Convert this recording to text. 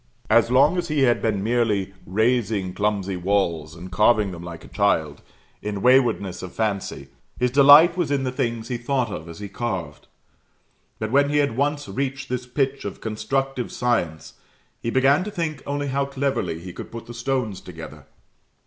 As long as he had been merely raising clumsy walls and carving them like a child, in waywardness of fancy, his delight was in the things he thought of as he carved; but when he had once reached this pitch of constructive science, he began to think only how cleverly he could put the stones together.